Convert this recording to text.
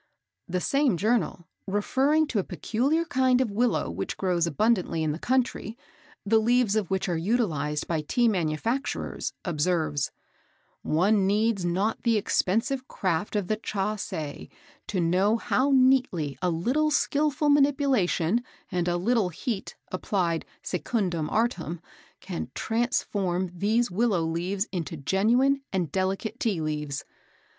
The same journal, referring to a peculiar kind of willow which grows abundantly in the country, the leaves of which are utilised by Tea manufacturers, observes: "One needs not the expensive craft of the cha sze to know how neatly a little skilful manipulation, and a little heat applied secundum artem, can transform these willow leaves into genuine and delicate tea leaves.